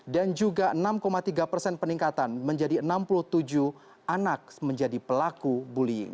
dan juga enam tiga persen peningkatan menjadi enam puluh tujuh anak menjadi pelaku bullying